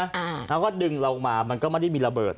เขาก็ดึงเรามามันก็ไม่ได้มีระเบิด